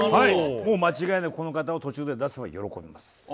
もう間違いなくこの方を途中で出せば喜びます。